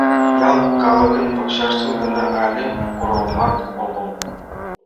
Ял калыкын пакчаштым гына але куралмат огыл.